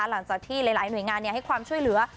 หลังจากที่หลายหน่วยงานให้ความช่วยเหลือ